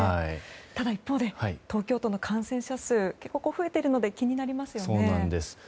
ただ、一方で東京都の感染者数が結構、増えているので気になりますよね。